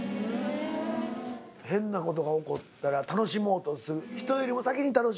変なことが起こったら楽しもうとする。